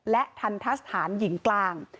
และทันทะสถานหญิงกลาง